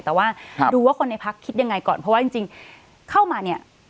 แต่ว่าดูว่าคนในพักคิดยังไงก่อนเพราะว่าจริงเข้ามาเนี่ย